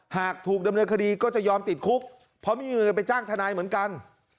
หากถูกดำเนินคดีก็จะยอมติดคุกเพราะไม่มีเงินไปจ้างทนายเหมือนกัน